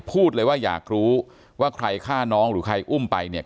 พูดเลยว่าอยากรู้ว่าใครฆ่าน้องหรือใครอุ้มไปเนี่ย